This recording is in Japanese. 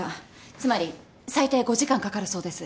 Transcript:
つまり最低５時間かかるそうです。